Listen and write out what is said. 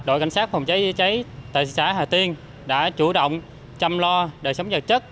đội cảnh sát phòng cháy cháy tại xã hà tiên đã chủ động chăm lo đời sống vật chất